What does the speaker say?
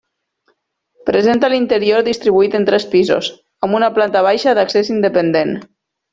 Presenta l'interior distribuït en tres pisos, amb una planta baixa d'accés independent.